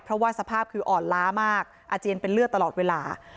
เพราะว่าสภาพคืออ่อนล้ามากอาเจียนเป็นเลือดตลอดเวลา